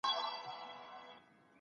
نړیوال پلاوي جرګي ته ولي راځي؟